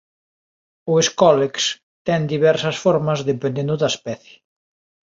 O escólex ten diversas formas dependendo da especie.